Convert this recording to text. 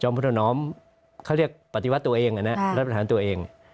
จอมพุทธนอมเขาเรียกปฏิวัติตัวเองอันเนี้ยรับประหารตัวเอง